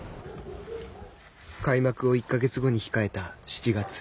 開幕を１か月後に控えた７月。